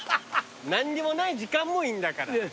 何にもない時間もいいんだから。